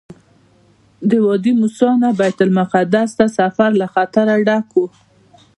د وادي موسی نه بیت المقدس ته سفر له خطره ډک وو.